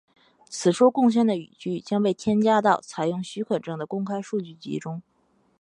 此处贡献的语句将被添加到采用许可证的公开数据集中。